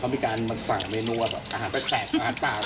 เขามีการมาสั่งเมนูแบบอาหารแปลกอาหารต่าง